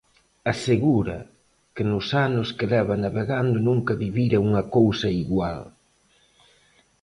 Asegura que nos anos que leva navegando nunca vivira unha cousa igual.